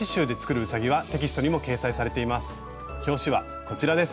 表紙はこちらです。